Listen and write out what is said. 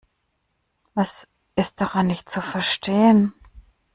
Was ist daran nicht zu verstehen?